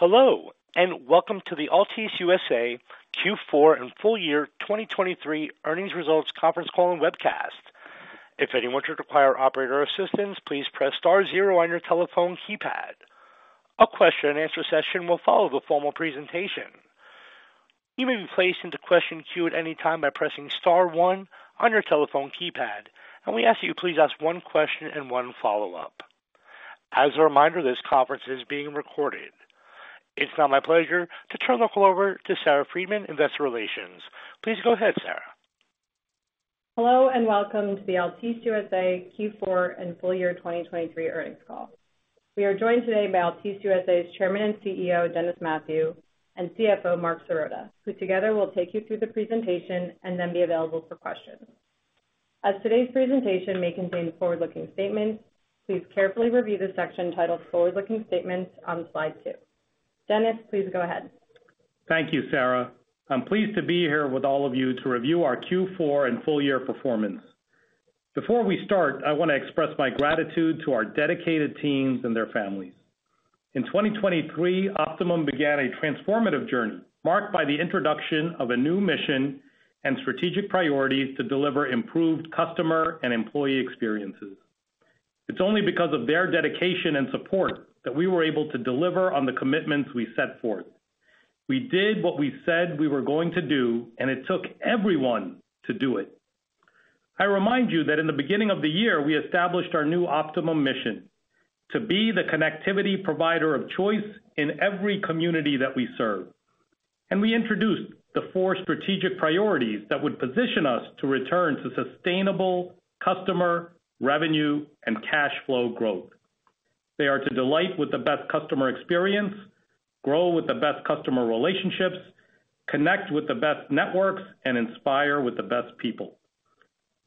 Hello, and welcome to the Altice USA Q4 and full year 2023 earnings results conference call and webcast. If anyone should require operator assistance, please press star zero on your telephone keypad. A question-and-answer session will follow the formal presentation. You may be placed into question queue at any time by pressing star one on your telephone keypad, and we ask that you please ask one question and one follow-up. As a reminder, this conference is being recorded. It's now my pleasure to turn the call over to Sarah Freedman, Investor Relations. Please go ahead, Sarah. Hello, and welcome to the Altice USA Q4 and full year 2023 earnings call. We are joined today by Altice USA's Chairman and CEO, Dennis Mathew, and CFO, Marc Sirota, who together will take you through the presentation and then be available for questions. As today's presentation may contain forward-looking statements, please carefully review the section titled Forward-Looking Statements on slide 2. Dennis, please go ahead. Thank you, Sarah. I'm pleased to be here with all of you to review our Q4 and full year performance. Before we start, I want to express my gratitude to our dedicated teams and their families. In 2023, Optimum began a transformative journey, marked by the introduction of a new mission and strategic priorities to deliver improved customer and employee experiences. It's only because of their dedication and support that we were able to deliver on the commitments we set forth. We did what we said we were going to do, and it took everyone to do it. I remind you that in the beginning of the year, we established our new Optimum mission: to be the connectivity provider of choice in every community that we serve. We introduced the four strategic priorities that would position us to return to sustainable customer, revenue, and cash flow growth. They are to delight with the best customer experience, grow with the best customer relationships, connect with the best networks, and inspire with the best people.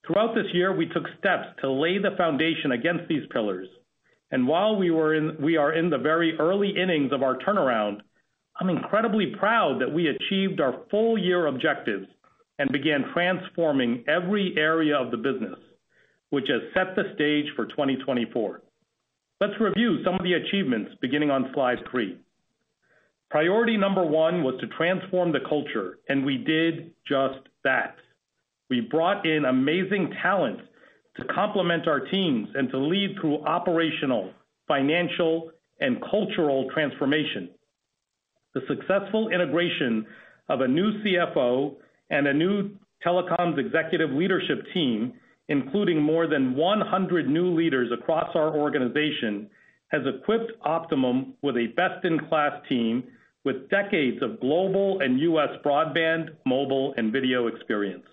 Throughout this year, we took steps to lay the foundation against these pillars, and while we are in the very early innings of our turnaround, I'm incredibly proud that we achieved our full year objectives and began transforming every area of the business, which has set the stage for 2024. Let's review some of the achievements beginning on slide 3. Priority number 1 was to transform the culture, and we did just that. We brought in amazing talent to complement our teams and to lead through operational, financial, and cultural transformation. The successful integration of a new CFO and a new telecoms executive leadership team, including more than 100 new leaders across our organization, has equipped Optimum with a best-in-class team with decades of global and U.S. broadband, mobile, and video experience.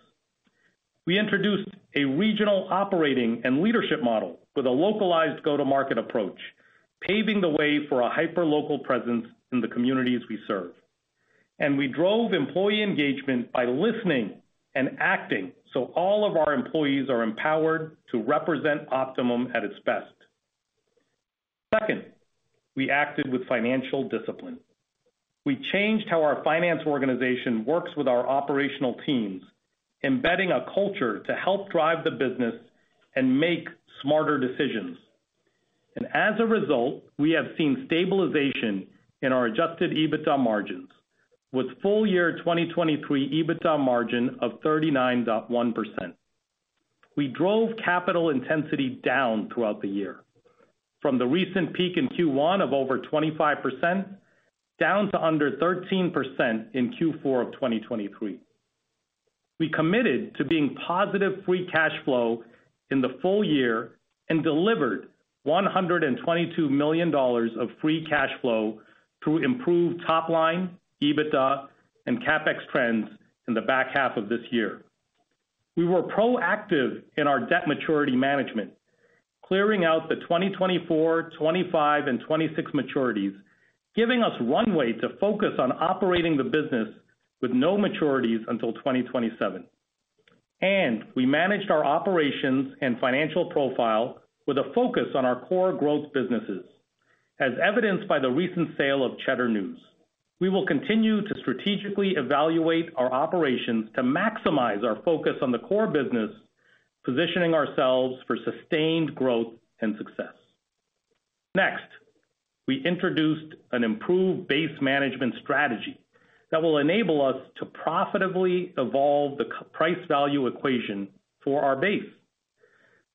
We introduced a regional operating and leadership model with a localized go-to-market approach, paving the way for a hyperlocal presence in the communities we serve. We drove employee engagement by listening and acting, so all of our employees are empowered to represent Optimum at its best. Second, we acted with financial discipline. We changed how our finance organization works with our operational teams, embedding a culture to help drive the business and make smarter decisions. As a result, we have seen stabilization in our adjusted EBITDA margins with full year 2023 EBITDA margin of 39.1%. We drove capital intensity down throughout the year, from the recent peak in Q1 of over 25%, down to under 13% in Q4 of 2023. We committed to being positive free cash flow in the full year and delivered $122 million of free cash flow through improved top line, EBITDA, and CapEx trends in the back half of this year. We were proactive in our debt maturity management, clearing out the 2024, 2025, and 2026 maturities, giving us runway to focus on operating the business with no maturities until 2027. We managed our operations and financial profile with a focus on our core growth businesses, as evidenced by the recent sale of Cheddar News. We will continue to strategically evaluate our operations to maximize our focus on the core business, positioning ourselves for sustained growth and success. Next, we introduced an improved base management strategy that will enable us to profitably evolve the customer price value equation for our base.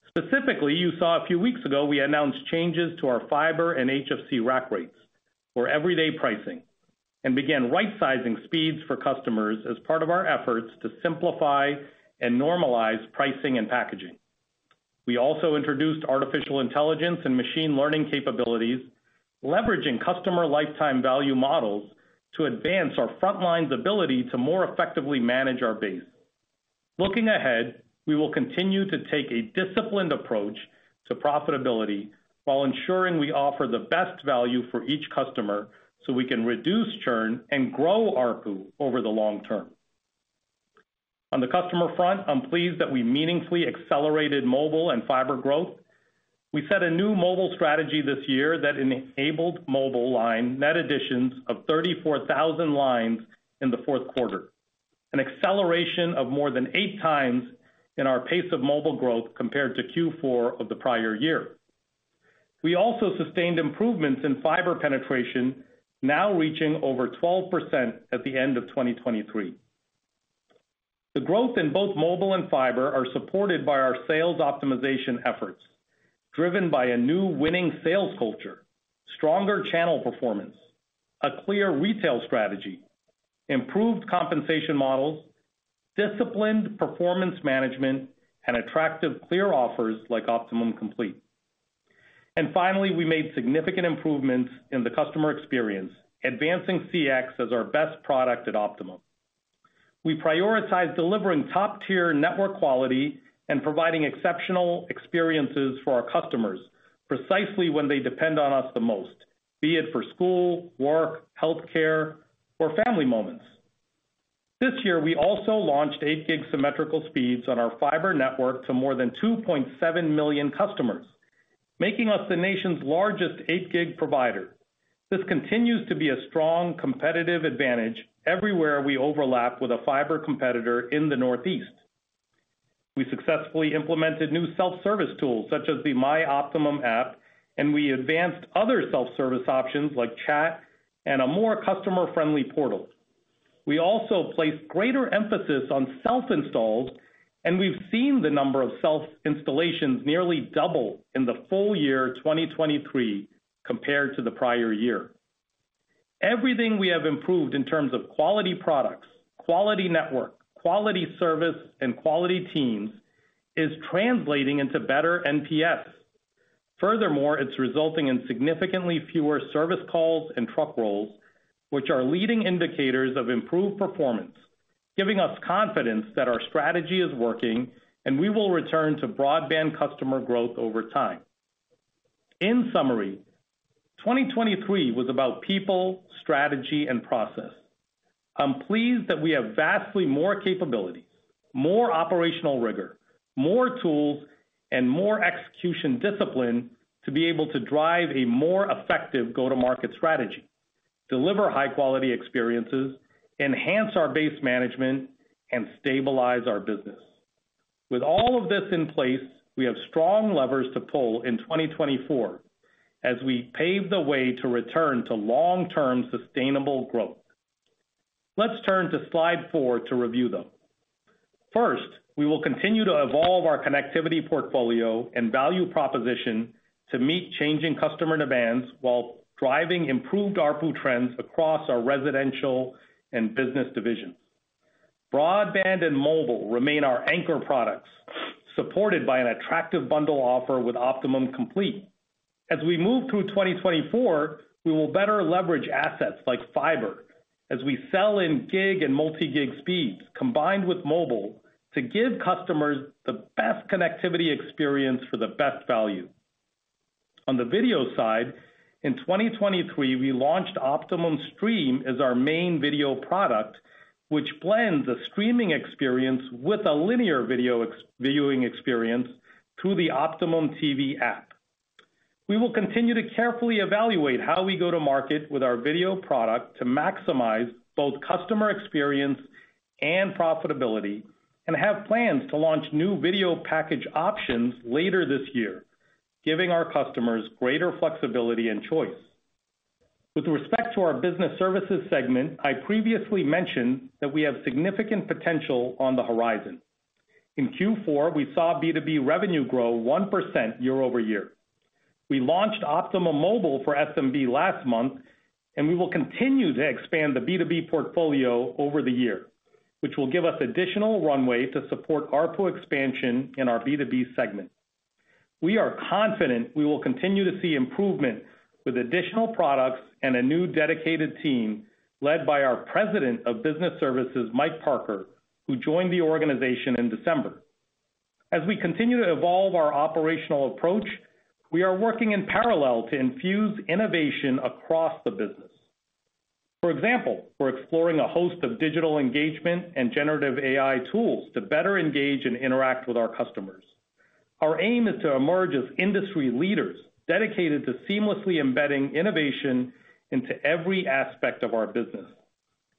Specifically, you saw a few weeks ago, we announced changes to our fiber and HFC rack rates for everyday pricing and began rightsizing speeds for customers as part of our efforts to simplify and normalize pricing and packaging. We also introduced artificial intelligence and machine learning capabilities, leveraging customer lifetime value models to advance our front line's ability to more effectively manage our base. Looking ahead, we will continue to take a disciplined approach to profitability while ensuring we offer the best value for each customer, so we can reduce churn and grow ARPU over the long term. On the customer front, I'm pleased that we meaningfully accelerated mobile and fiber growth. We set a new mobile strategy this year that enabled mobile line net additions of 34,000 lines in the fourth quarter. An acceleration of more than 8 times in our pace of mobile growth compared to Q4 of the prior year. We also sustained improvements in fiber penetration, now reaching over 12% at the end of 2023. The growth in both mobile and fiber are supported by our sales optimization efforts, driven by a new winning sales culture, stronger channel performance, a clear retail strategy, improved compensation models, disciplined performance management, and attractive, clear offers like Optimum Complete. Finally, we made significant improvements in the customer experience, advancing CX as our best product at Optimum. We prioritize delivering top-tier network quality and providing exceptional experiences for our customers precisely when they depend on us the most, be it for school, work, healthcare, or family moments. This year, we also launched 8 gig symmetrical speeds on our fiber network to more than 2.7 million customers, making us the nation's largest 8 gig provider. This continues to be a strong competitive advantage everywhere we overlap with a fiber competitor in the Northeast. We successfully implemented new self-service tools, such as the My Optimum App, and we advanced other self-service options like chat and a more customer-friendly portal. We also placed greater emphasis on self-installs, and we've seen the number of self-installations nearly double in the full year 2023 compared to the prior year. Everything we have improved in terms of quality products, quality network, quality service, and quality teams is translating into better NPS. Furthermore, it's resulting in significantly fewer service calls and truck rolls, which are leading indicators of improved performance, giving us confidence that our strategy is working, and we will return to broadband customer growth over time. In summary, 2023 was about people, strategy, and process. I'm pleased that we have vastly more capabilities, more operational rigor, more tools, and more execution discipline to be able to drive a more effective go-to-market strategy, deliver high-quality experiences, enhance our base management, and stabilize our business. With all of this in place, we have strong levers to pull in 2024 as we pave the way to return to long-term sustainable growth. Let's turn to slide 4 to review them. First, we will continue to evolve our connectivity portfolio and value proposition to meet changing customer demands while driving improved ARPU trends across our residential and business divisions. Broadband and mobile remain our anchor products, supported by an attractive bundle offer with Optimum Complete. As we move through 2024, we will better leverage assets like fiber as we sell in gig and multi-gig speeds, combined with mobile, to give customers the best connectivity experience for the best value. On the video side, in 2023, we launched Optimum Stream as our main video product, which blends a streaming experience with a linear video experience through the Optimum TV App. We will continue to carefully evaluate how we go to market with our video product to maximize both customer experience and profitability, and have plans to launch new video package options later this year, giving our customers greater flexibility and choice. With respect to our business services segment, I previously mentioned that we have significant potential on the horizon. In Q4, we saw B2B revenue grow 1% year-over-year. We launched Optimum Mobile for SMB last month, and we will continue to expand the B2B portfolio over the year, which will give us additional runway to support ARPU expansion in our B2B segment. We are confident we will continue to see improvement with additional products and a new dedicated team led by our President of Business Services, Mike Parker, who joined the organization in December. As we continue to evolve our operational approach, we are working in parallel to infuse innovation across the business. For example, we're exploring a host of digital engagement and generative AI tools to better engage and interact with our customers. Our aim is to emerge as industry leaders dedicated to seamlessly embedding innovation into every aspect of our business.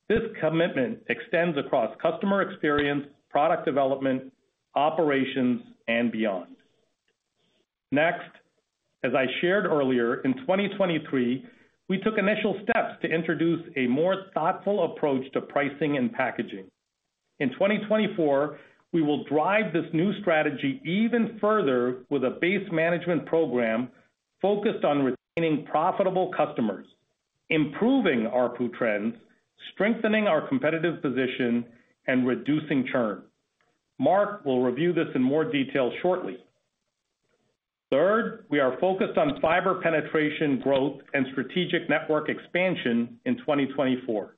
This commitment extends across customer experience, product development, operations, and beyond. Next, as I shared earlier, in 2023, we took initial steps to introduce a more thoughtful approach to pricing and packaging. In 2024, we will drive this new strategy even further with a base management program focused on retaining profitable customers, improving ARPU trends, strengthening our competitive position, and reducing churn. Marc will review this in more detail shortly. Third, we are focused on fiber penetration growth and strategic network expansion in 2024.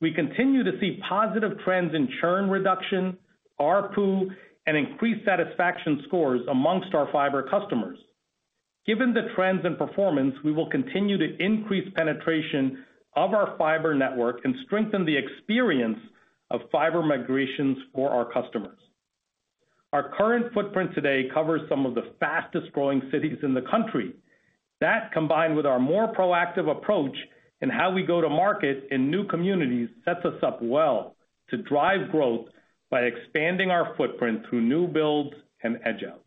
We continue to see positive trends in churn reduction, ARPU, and increased satisfaction scores amongst our fiber customers. Given the trends and performance, we will continue to increase penetration of our fiber network and strengthen the experience of fiber migrations for our customers. Our current footprint today covers some of the fastest growing cities in the country. That, combined with our more proactive approach in how we go to market in new communities, sets us up well to drive growth by expanding our footprint through new builds and edge-outs.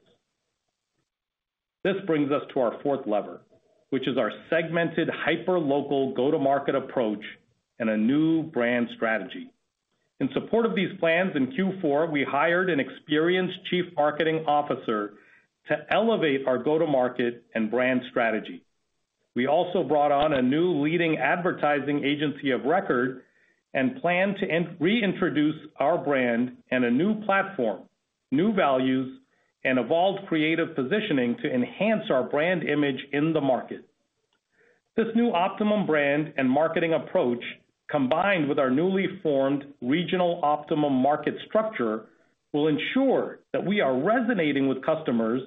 This brings us to our fourth lever, which is our segmented, hyperlocal go-to-market approach and a new brand strategy. In support of these plans, in Q4, we hired an experienced chief marketing officer to elevate our go-to-market and brand strategy. We also brought on a new leading advertising agency of record and plan to reintroduce our brand and a new platform, new values, and evolved creative positioning to enhance our brand image in the market. This new Optimum brand and marketing approach, combined with our newly formed regional Optimum market structure, will ensure that we are resonating with customers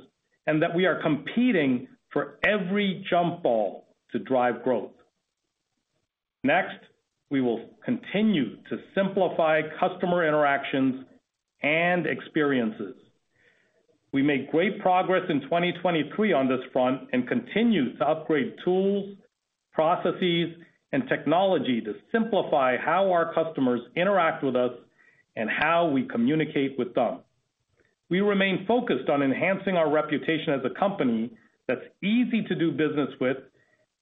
and that we are competing for every jump ball to drive growth. Next, we will continue to simplify customer interactions and experiences. We made great progress in 2023 on this front and continue to upgrade tools, processes, and technology to simplify how our customers interact with us and how we communicate with them. We remain focused on enhancing our reputation as a company that's easy to do business with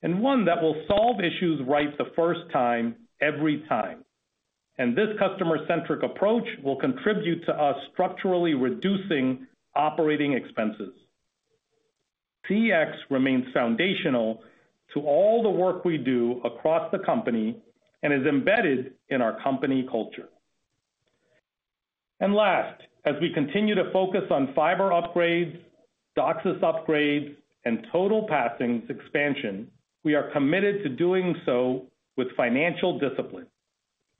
and one that will solve issues right the first time, every time. This customer-centric approach will contribute to us structurally reducing operating expenses. CX remains foundational to all the work we do across the company and is embedded in our company culture. Last, as we continue to focus on fiber upgrades, DOCSIS upgrades, and total passings expansion, we are committed to doing so with financial discipline,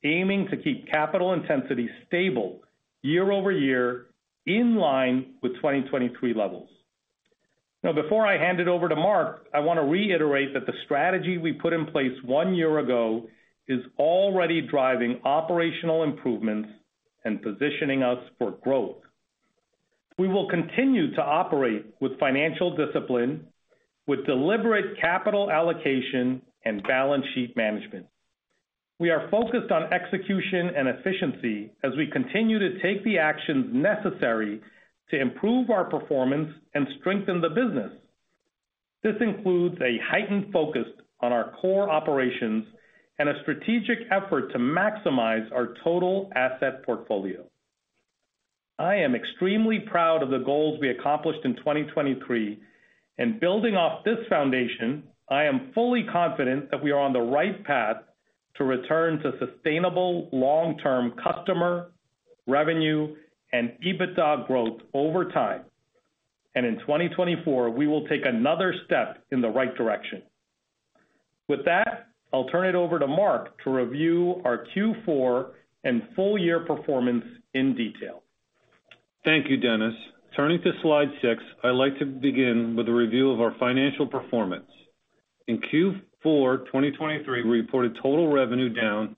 aiming to keep capital intensity stable year-over-year, in line with 2023 levels. Now, before I hand it over to Marc, I want to reiterate that the strategy we put in place one year ago is already driving operational improvements and positioning us for growth. We will continue to operate with financial discipline, with deliberate capital allocation and balance sheet management. We are focused on execution and efficiency as we continue to take the actions necessary to improve our performance and strengthen the business. This includes a heightened focus on our core operations and a strategic effort to maximize our total asset portfolio. I am extremely proud of the goals we accomplished in 2023, and building off this foundation, I am fully confident that we are on the right path to return to sustainable long-term customer, revenue, and EBITDA growth over time. In 2024, we will take another step in the right direction. With that, I'll turn it over to Marc to review our Q4 and full year performance in detail. Thank you, Dennis. Turning to slide 6, I'd like to begin with a review of our financial performance. In Q4 2023, we reported total revenue down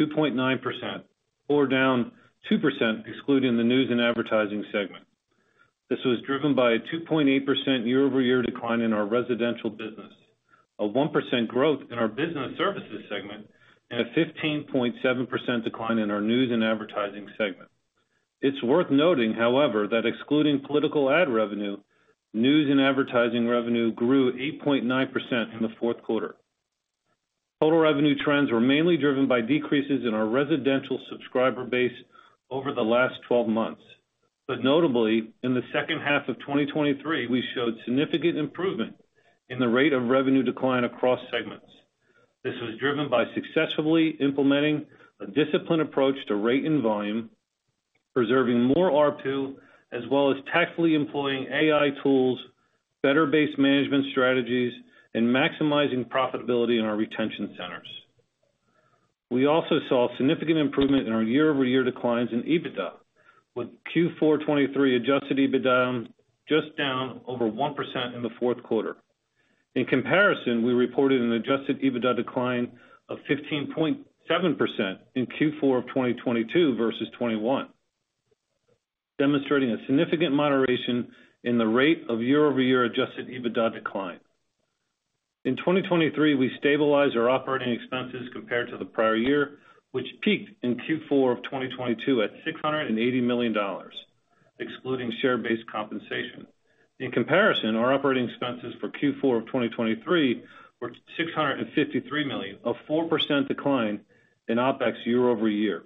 2.9%, or down 2%, excluding the news and advertising segment. This was driven by a 2.8% year-over-year decline in our residential business, a 1% growth in our business services segment, and a 15.7% decline in our news and advertising segment. It's worth noting, however, that excluding political ad revenue, news and advertising revenue grew 8.9% in the fourth quarter. Total revenue trends were mainly driven by decreases in our residential subscriber base over the last 12 months. But notably, in the second half of 2023, we showed significant improvement in the rate of revenue decline across segments. This was driven by successfully implementing a disciplined approach to rate and volume, preserving more ARPU, as well as tactfully employing AI tools, better base management strategies, and maximizing profitability in our retention centers. We also saw significant improvement in our year-over-year declines in EBITDA, with Q4 2023 adjusted EBITDA just down over 1% in the fourth quarter. In comparison, we reported an adjusted EBITDA decline of 15.7% in Q4 2022 versus 2021, demonstrating a significant moderation in the rate of year-over-year adjusted EBITDA decline. In 2023, we stabilized our operating expenses compared to the prior year, which peaked in Q4 2022 at $680 million, excluding share-based compensation. In comparison, our operating expenses for Q4 2023 were $653 million, a 4% decline in OpEx year over year.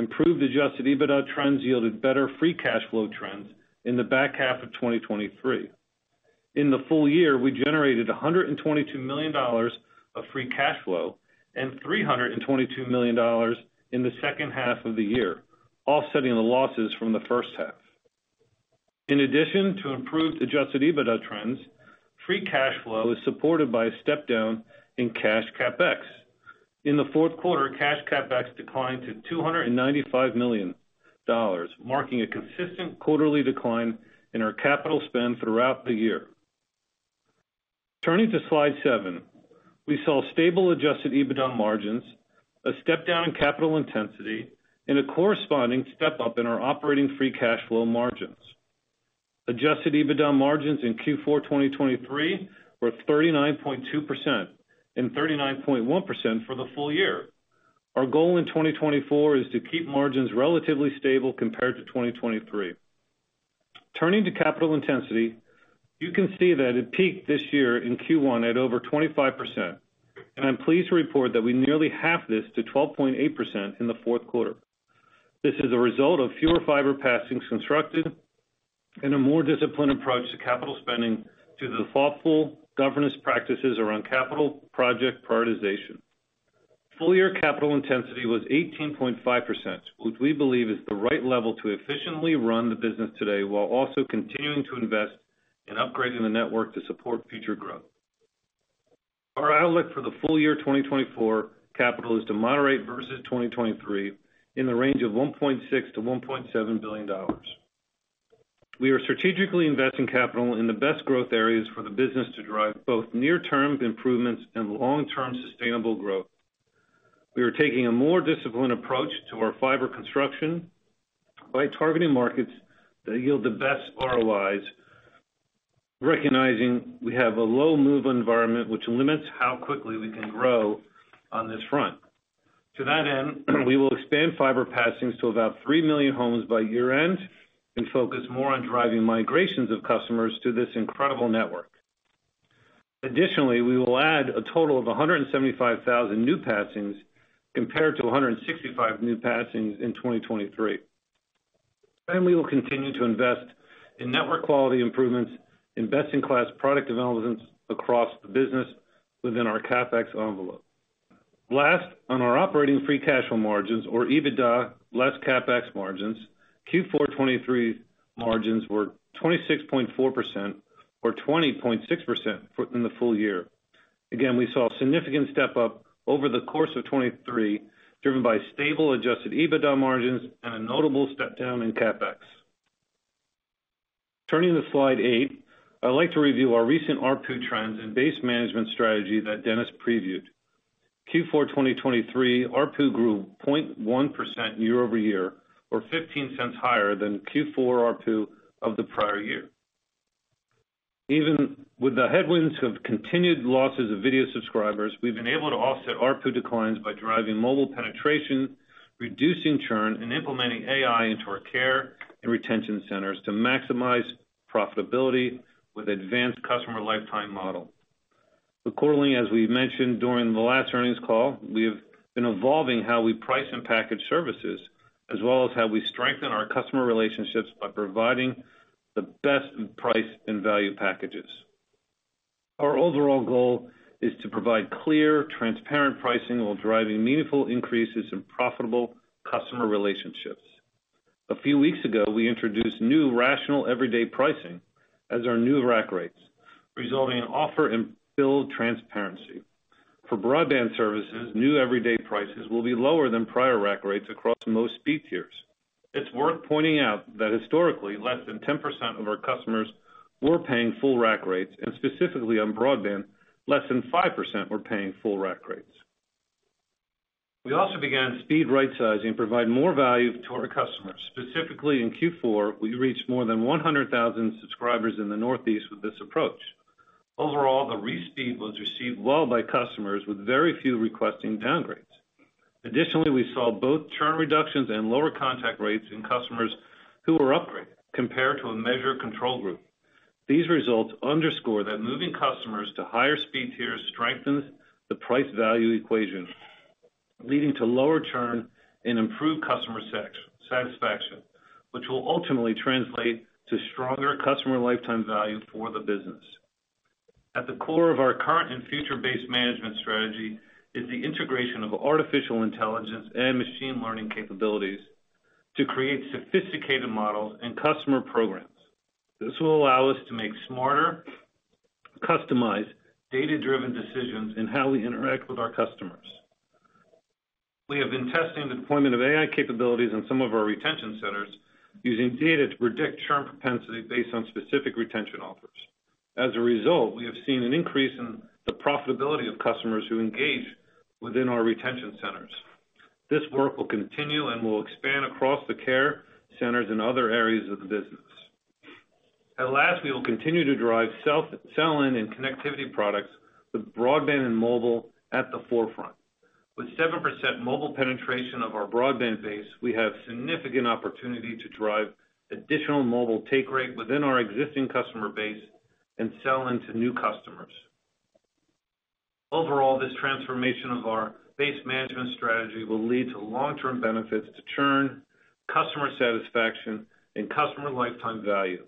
Improved adjusted EBITDA trends yielded better free cash flow trends in the back half of 2023. In the full year, we generated $122 million of free cash flow and $322 million in the second half of the year, offsetting the losses from the first half. In addition to improved adjusted EBITDA trends, free cash flow is supported by a step down in cash CapEx. In the fourth quarter, cash CapEx declined to $295 million, marking a consistent quarterly decline in our capital spend throughout the year. Turning to slide 7, we saw stable adjusted EBITDA margins, a step down in capital intensity, and a corresponding step up in our operating free cash flow margins. Adjusted EBITDA margins in Q4 2023 were 39.2% and 39.1% for the full year. Our goal in 2024 is to keep margins relatively stable compared to 2023. Turning to capital intensity, you can see that it peaked this year in Q1 at over 25%, and I'm pleased to report that we nearly halved this to 12.8% in the fourth quarter. This is a result of fewer fiber passings constructed and a more disciplined approach to capital spending due to the thoughtful governance practices around capital project prioritization. Full year capital intensity was 18.5%, which we believe is the right level to efficiently run the business today, while also continuing to invest in upgrading the network to support future growth. Our outlook for the full year 2024 capital is to moderate versus 2023 in the range of $1.6 billion-$1.7 billion. We are strategically investing capital in the best growth areas for the business to drive both near-term improvements and long-term sustainable growth. We are taking a more disciplined approach to our fiber construction by targeting markets that yield the best ROIs, recognizing we have a low move environment, which limits how quickly we can grow on this front. To that end, we will expand fiber passings to about 3 million homes by year-end and focus more on driving migrations of customers to this incredible network. Additionally, we will add a total of 175,000 new passings compared to 165 new passings in 2023. We will continue to invest in network quality improvements and best-in-class product developments across the business within our CapEx envelope. Last, on our operating free cash flow margins, or EBITDA less CapEx margins, Q4 2023 margins were 26.4% or 20.6% for the full year. Again, we saw a significant step up over the course of 2023, driven by stable adjusted EBITDA margins and a notable step down in CapEx. Turning to slide 8, I'd like to review our recent ARPU trends and base management strategy that Dennis previewed. Q4 2023, ARPU grew 0.1% year-over-year, or $0.15 higher than Q4 ARPU of the prior year. Even with the headwinds of continued losses of video subscribers, we've been able to offset ARPU declines by driving mobile penetration, reducing churn, and implementing AI into our care and retention centers to maximize profitability with advanced customer lifetime model. Accordingly, as we've mentioned during the last earnings call, we have been evolving how we price and package services, as well as how we strengthen our customer relationships by providing the best in price and value packages. Our overall goal is to provide clear, transparent pricing while driving meaningful increases in profitable customer relationships. A few weeks ago, we introduced new rational everyday pricing as our new rack rates, resulting in offer and bill transparency. For broadband services, new everyday prices will be lower than prior rack rates across most speed tiers. It's worth pointing out that historically, less than 10% of our customers were paying full rack rates, and specifically on broadband, less than 5% were paying full rack rates. We also began speed rightsizing to provide more value to our customers. Specifically, in Q4, we reached more than 100,000 subscribers in the Northeast with this approach. Overall, the re-speed was received well by customers, with very few requesting downgrades. Additionally, we saw both churn reductions and lower contact rates in customers who were upgraded compared to a measured control group. These results underscore that moving customers to higher speed tiers strengthens the price-value equation, leading to lower churn and improved customer satisfaction, which will ultimately translate to stronger customer lifetime value for the business. At the core of our current and future-based management strategy is the integration of artificial intelligence and machine learning capabilities to create sophisticated models and customer programs. This will allow us to make smarter, customized, data-driven decisions in how we interact with our customers. We have been testing the deployment of AI capabilities in some of our retention centers, using data to predict churn propensity based on specific retention offers. As a result, we have seen an increase in the profitability of customers who engage within our retention centers. This work will continue and will expand across the care centers and other areas of the business. Lastly, we will continue to drive cross-sell in and connectivity products with broadband and mobile at the forefront. With 7% mobile penetration of our broadband base, we have significant opportunity to drive additional mobile take rate within our existing customer base and sell into new customers. Overall, this transformation of our base management strategy will lead to long-term benefits to churn, customer satisfaction, and customer lifetime value,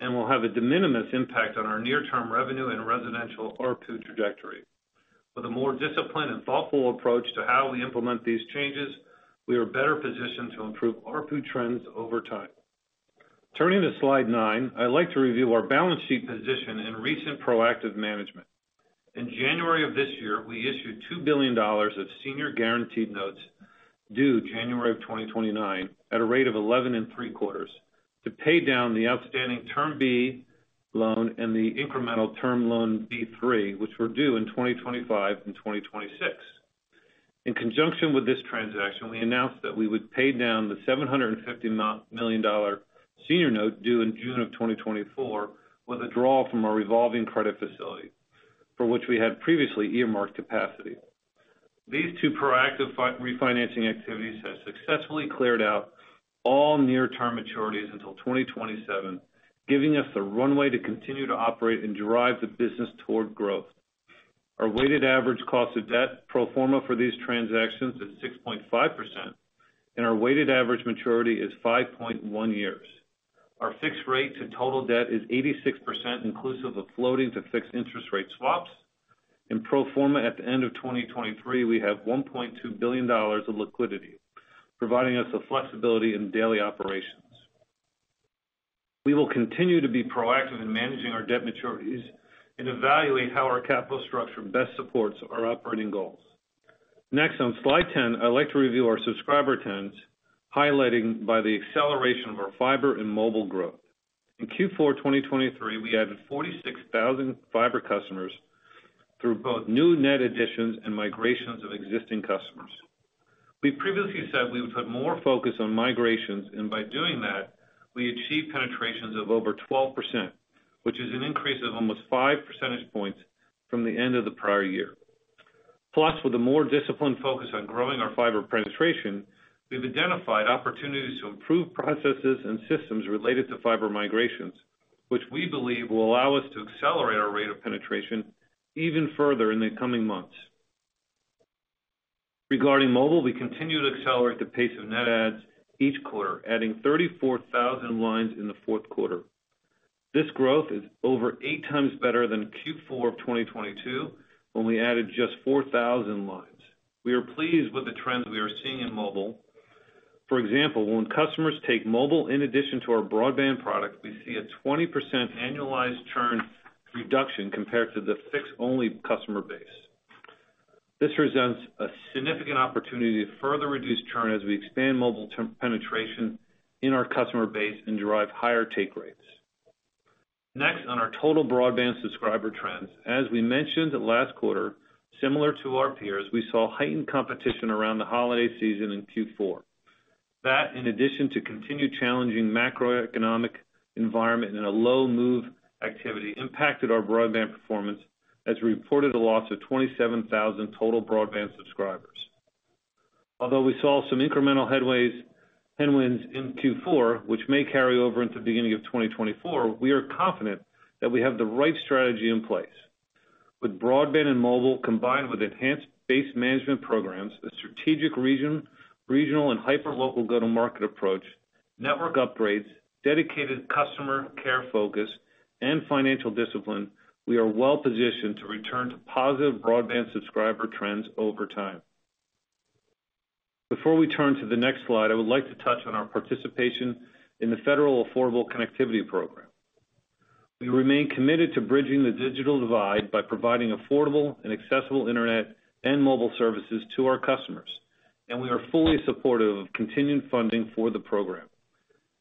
and will have a de minimis impact on our near-term revenue and residential ARPU trajectory. With a more disciplined and thoughtful approach to how we implement these changes, we are better positioned to improve ARPU trends over time. Turning to slide 9, I'd like to review our balance sheet position and recent proactive management. In January of this year, we issued $2 billion of senior guaranteed notes due January 2029, at a rate of 11.75%, to pay down the outstanding Term B Loan and the Incremental Term Loan B3, which were due in 2025 and 2026. In conjunction with this transaction, we announced that we would pay down the $750 million senior note due in June 2024, with a draw from our revolving credit facility, for which we had previously earmarked capacity. These two proactive financial refinancing activities have successfully cleared out all near-term maturities until 2027, giving us the runway to continue to operate and drive the business toward growth. Our weighted average cost of debt pro forma for these transactions is 6.5%, and our weighted average maturity is 5.1 years. Our fixed rate to total debt is 86%, inclusive of floating to fixed interest rate swaps. In pro forma, at the end of 2023, we have $1.2 billion of liquidity, providing us with flexibility in daily operations. We will continue to be proactive in managing our debt maturities and evaluate how our capital structure best supports our operating goals. Next, on slide 10, I'd like to review our subscriber trends, highlighting the acceleration of our fiber and mobile growth. In Q4 2023, we added 46,000 fiber customers through both new net additions and migrations of existing customers. We previously said we would put more focus on migrations, and by doing that, we achieved penetrations of over 12%, which is an increase of almost 5 percentage points from the end of the prior year. Plus, with a more disciplined focus on growing our fiber penetration, we've identified opportunities to improve processes and systems related to fiber migrations, which we believe will allow us to accelerate our rate of penetration even further in the coming months. Regarding mobile, we continue to accelerate the pace of net adds each quarter, adding 34,000 lines in the fourth quarter. This growth is over 8 times better than Q4 of 2022, when we added just 4,000 lines. We are pleased with the trends we are seeing in mobile. For example, when customers take mobile in addition to our broadband product, we see a 20% annualized churn reduction compared to the fixed-only customer base. This presents a significant opportunity to further reduce churn as we expand mobile penetration in our customer base and derive higher take rates. Next, on our total broadband subscriber trends. As we mentioned last quarter, similar to our peers, we saw heightened competition around the holiday season in Q4. That, in addition to continued challenging macroeconomic environment and a low move activity, impacted our broadband performance, as we reported a loss of 27,000 total broadband subscribers. Although we saw some incremental headwinds in Q4, which may carry over into the beginning of 2024, we are confident that we have the right strategy in place. With broadband and mobile, combined with enhanced base management programs, a strategic regional and hyperlocal go-to-market approach, network upgrades, dedicated customer care focus, and financial discipline, we are well positioned to return to positive broadband subscriber trends over time. Before we turn to the next slide, I would like to touch on our participation in the Federal Affordable Connectivity Program. We remain committed to bridging the digital divide by providing affordable and accessible internet and mobile services to our customers, and we are fully supportive of continued funding for the program.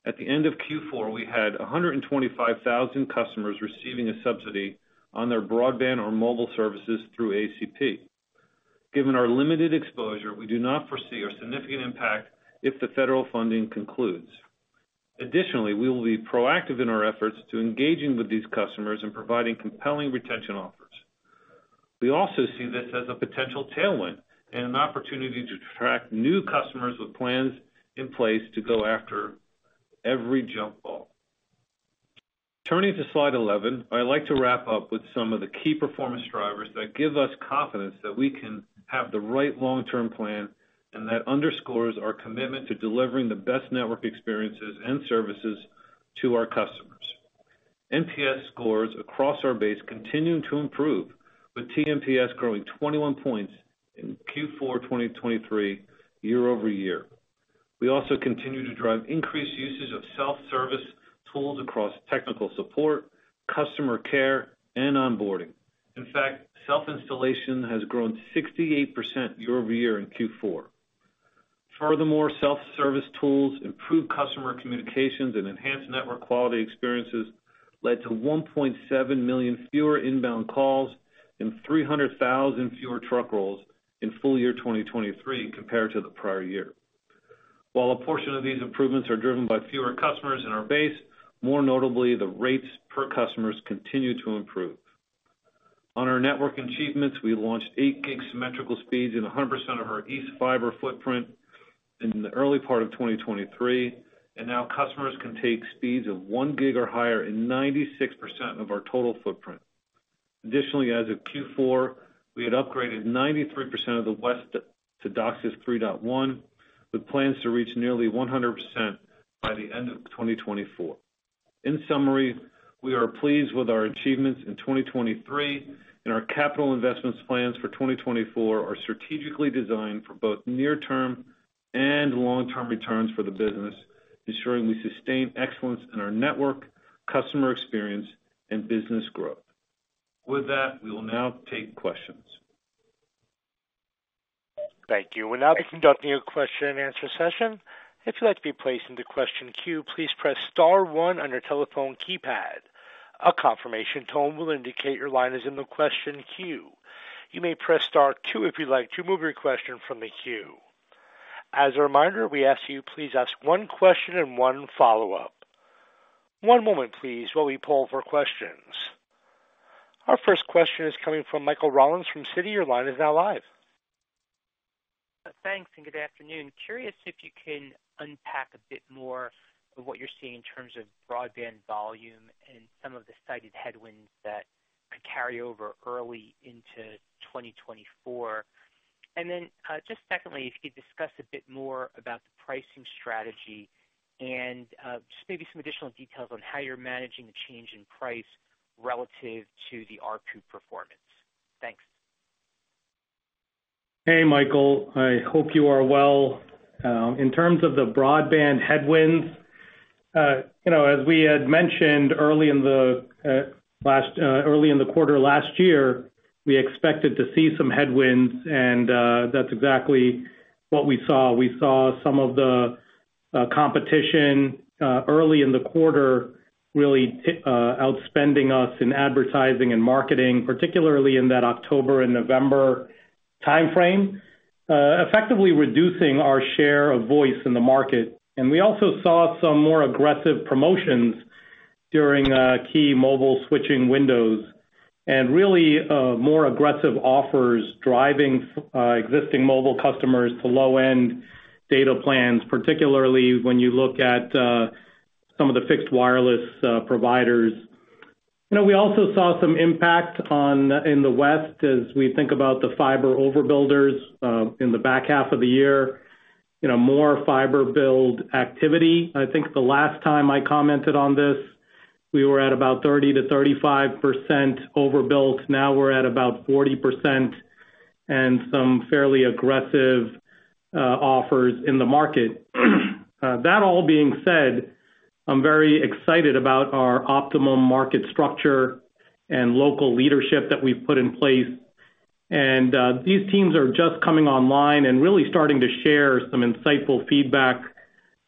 At the end of Q4, we had 125,000 customers receiving a subsidy on their broadband or mobile services through ACP. Given our limited exposure, we do not foresee a significant impact if the federal funding concludes. Additionally, we will be proactive in our efforts to engage with these customers and providing compelling retention offers. We also see this as a potential tailwind and an opportunity to attract new customers with plans in place to go after every jump ball. Turning to slide 11, I'd like to wrap up with some of the key performance drivers that give us confidence that we can have the right long-term plan, and that underscores our commitment to delivering the best network experiences and services to our customers. NPS scores across our base continue to improve, with TNPS growing 21 points in Q4 2023, year-over-year. We also continue to drive increased usage of self-service tools across technical support, customer care, and onboarding. In fact, self-installation has grown 68% year-over-year in Q4. Furthermore, self-service tools, improved customer communications, and enhanced network quality experiences led to 1.7 million fewer inbound calls and 300,000 fewer truck rolls in full year 2023 compared to the prior year. While a portion of these improvements are driven by fewer customers in our base, more notably, the rates per customers continue to improve. On our network achievements, we launched 8 gig symmetrical speeds in 100% of our East fiber footprint in the early part of 2023, and now customers can take speeds of 1 gig or higher in 96% of our total footprint. Additionally, as of Q4, we had upgraded 93% of the West to DOCSIS 3.1, with plans to reach nearly 100% by the end of 2024. In summary, we are pleased with our achievements in 2023, and our capital investments plans for 2024 are strategically designed for both near-term and long-term returns for the business, ensuring we sustain excellence in our network, customer experience, and business growth. With that, we will now take questions. Thank you. We're now conducting a question and answer session. If you'd like to be placed in the question queue, please press star one on your telephone keypad. A confirmation tone will indicate your line is in the question queue. You may press star two if you'd like to move your question from the queue. As a reminder, we ask you, please ask one question and one follow-up. One moment, please, while we poll for questions. Our first question is coming from Michael Rollins from Citi. Your line is now live. Thanks, and good afternoon. Curious if you can unpack a bit more of what you're seeing in terms of broadband volume and some of the cited headwinds that could carry over early into 2024. And then, just secondly, if you could discuss a bit more about the pricing strategy and, just maybe some additional details on how you're managing the change in price relative to the ARPU performance. Thanks. Hey, Michael. I hope you are well. In terms of the broadband headwinds, you know, as we had mentioned early in the quarter last year, we expected to see some headwinds, and that's exactly what we saw. We saw some of the competition early in the quarter, really outspending us in advertising and marketing, particularly in that October and November timeframe, effectively reducing our share of voice in the market. And we also saw some more aggressive promotions during key mobile switching windows and really more aggressive offers, driving existing mobile customers to low-end data plans, particularly when you look at some of the fixed wireless providers. You know, we also saw some impact on in the West as we think about the fiber overbuilders in the back half of the year, you know, more fiber build activity. I think the last time I commented on this, we were at about 30%-35% overbuilt. Now we're at about 40% and some fairly aggressive offers in the market. That all being said, I'm very excited about our Optimum market structure and local leadership that we've put in place. And these teams are just coming online and really starting to share some insightful feedback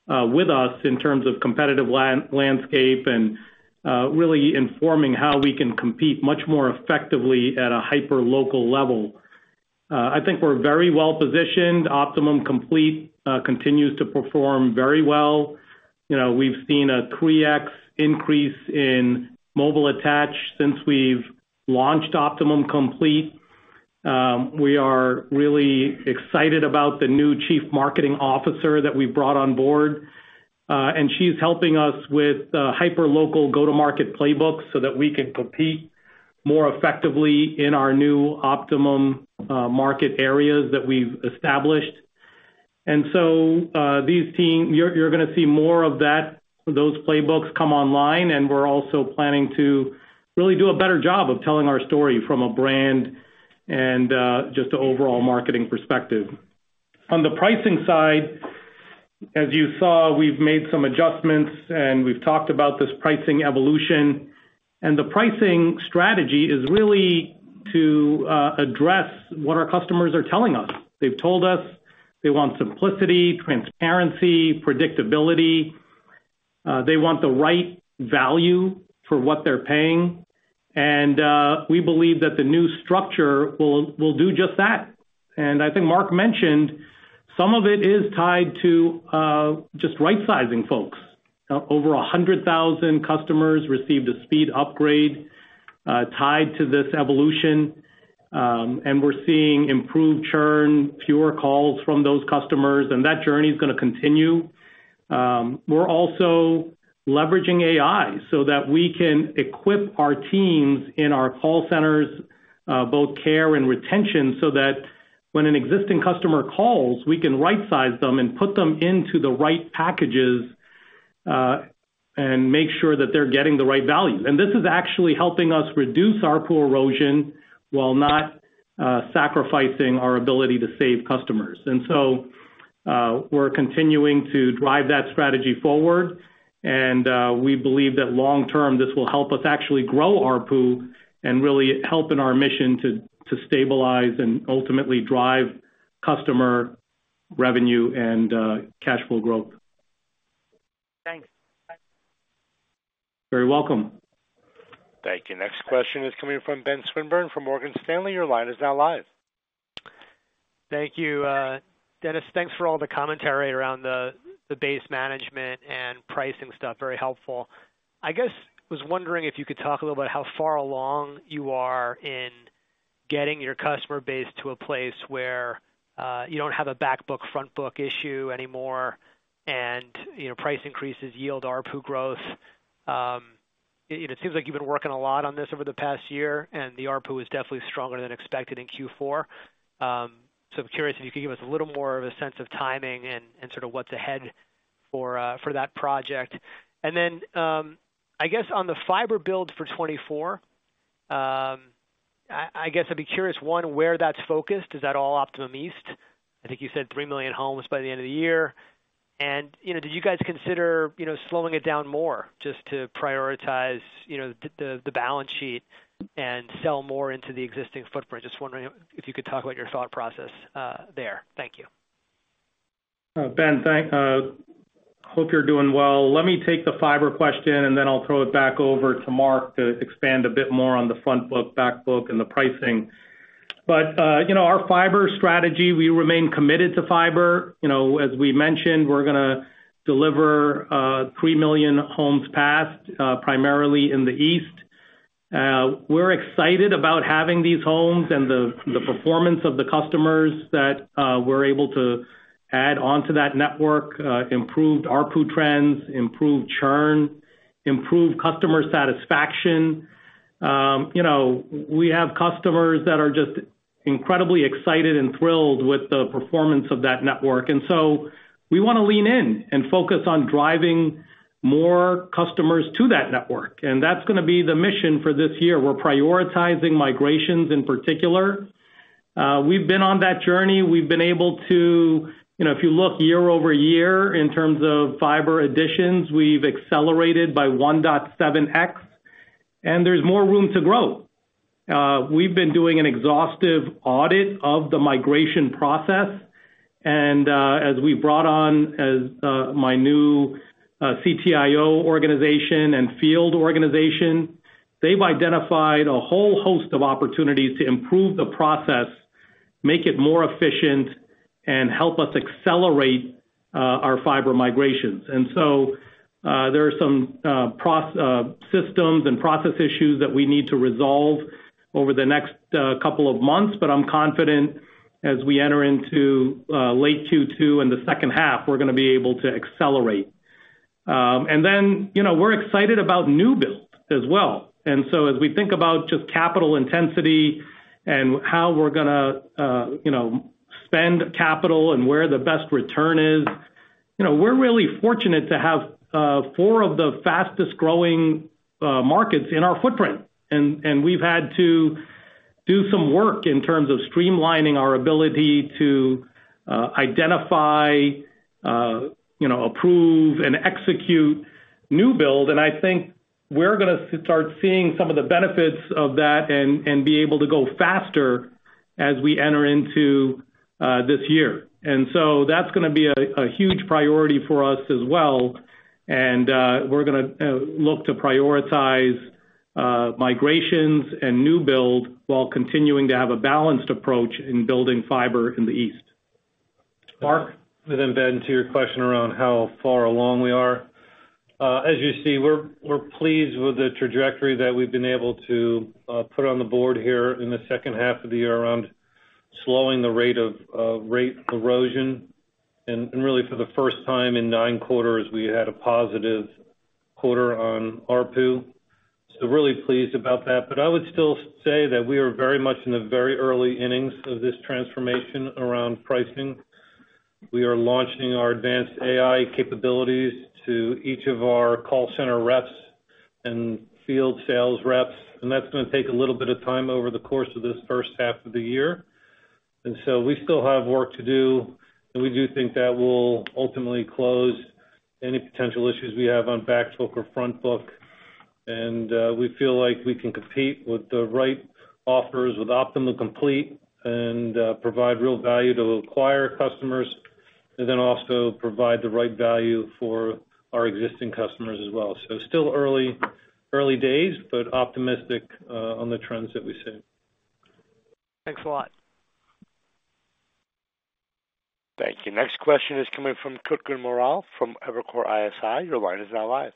with us in terms of competitive landscape and really informing how we can compete much more effectively at a hyperlocal level. I think we're very well positioned. Optimum Complete continues to perform very well. You know, we've seen a 3x increase in mobile attach since we've launched Optimum Complete. We are really excited about the new Chief Marketing Officer that we brought on board, and she's helping us with hyperlocal go-to-market playbooks so that we can compete more effectively in our new Optimum market areas that we've established. And so, you're gonna see more of that, those playbooks come online, and we're also planning to really do a better job of telling our story from a brand and just an overall marketing perspective. On the pricing side, as you saw, we've made some adjustments, and we've talked about this pricing evolution. And the pricing strategy is really to address what our customers are telling us. They've told us they want simplicity, transparency, predictability. They want the right value for what they're paying, and we believe that the new structure will do just that. And I think Marc mentioned, some of it is tied to just right sizing, folks. Over 100,000 customers received a speed upgrade tied to this evolution, and we're seeing improved churn, fewer calls from those customers, and that journey is gonna continue. We're also leveraging AI so that we can equip our teams in our call centers, both care and retention, so that when an existing customer calls, we can right-size them and put them into the right packages and make sure that they're getting the right value. And this is actually helping us reduce our price erosion while not sacrificing our ability to save customers. And so, we're continuing to drive that strategy forward, and, we believe that long term, this will help us actually grow ARPU and really help in our mission to stabilize and ultimately drive customer revenue and, cash flow growth. Thanks. Very welcome. Thank you. Next question is coming from Ben Swinburne from Morgan Stanley. Your line is now live. Thank you. Dennis, thanks for all the commentary around the base management and pricing stuff. Very helpful. I guess was wondering if you could talk a little about how far along you are in getting your customer base to a place where you don't have a back book, front book issue anymore and, you know, price increases yield ARPU growth. It seems like you've been working a lot on this over the past year, and the ARPU is definitely stronger than expected in Q4. So I'm curious if you could give us a little more of a sense of timing and sort of what's ahead for that project. And then, I guess on the fiber build for 2024, I guess I'd be curious, one, where that's focused. Is that all Optimum East? I think you said 3 million homes by the end of the year. And, you know, did you guys consider, you know, slowing it down more just to prioritize, you know, the balance sheet and sell more into the existing footprint? Just wondering if you could talk about your thought process there. Thank you. Ben, thanks, hope you're doing well. Let me take the fiber question, and then I'll throw it back over to Marc to expand a bit more on the front book, back book, and the pricing. But, you know, our fiber strategy, we remain committed to fiber. You know, as we mentioned, we're gonna deliver 3 million homes passed, primarily in the East. We're excited about having these homes and the, the performance of the customers that we're able to add onto that network, improved ARPU trends, improved churn, improved customer satisfaction. You know, we have customers that are just incredibly excited and thrilled with the performance of that network, and so we want to lean in and focus on driving more customers to that network, and that's gonna be the mission for this year. We're prioritizing migrations in particular. We've been on that journey. We've been able to, you know, if you look year-over-year in terms of fiber additions, we've accelerated by 1.7x, and there's more room to grow. We've been doing an exhaustive audit of the migration process, and, as we brought on my new CTIO organization and field organization, they've identified a whole host of opportunities to improve the process, make it more efficient, and help us accelerate our fiber migrations. And so, there are some process systems and process issues that we need to resolve over the next couple of months, but I'm confident as we enter into late 2022 and the second half, we're gonna be able to accelerate. And then, you know, we're excited about new build as well. And so as we think about just capital intensity and how we're gonna, you know, spend capital and where the best return is, you know, we're really fortunate to have four of the fastest growing markets in our footprint. And we've had to do some work in terms of streamlining our ability to identify, you know, approve and execute new build. And I think we're gonna start seeing some of the benefits of that and be able to go faster as we enter into this year. And so that's gonna be a huge priority for us as well, and we're gonna look to prioritize migrations and new build while continuing to have a balanced approach in building fiber in the East. Marc, and then, Ben, to your question around how far along we are. As you see, we're pleased with the trajectory that we've been able to put on the board here in the second half of the year around slowing the rate of rate erosion. And really, for the first time in nine quarters, we had a positive quarter on ARPU. So really pleased about that. But I would still say that we are very much in the very early innings of this transformation around pricing. We are launching our advanced AI capabilities to each of our call center reps and field sales reps, and that's gonna take a little bit of time over the course of this first half of the year. And so we still have work to do, and we do think that will ultimately close any potential issues we have on back book or front book. And we feel like we can compete with the right offers with Optimum Complete and provide real value to acquire customers, and then also provide the right value for our existing customers as well. So still early, early days, but optimistic on the trends that we see. Thanks a lot. Thank you. Next question is coming from Kutgun Maral from Evercore ISI. Your line is now live.